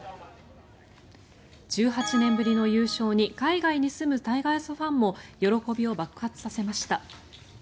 １８年ぶりの優勝に海外に住むタイガースファンも喜びを爆発させました。